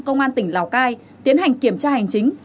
công an tỉnh lào cai tiến hành kiểm tra hành chính